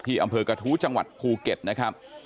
อำเภอกระทู้จังหวัดภูเก็ตนะครับ